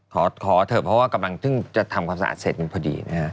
ขอเถอะเพราะว่ากำลังจะทำความสะอาดเสร็จพอดี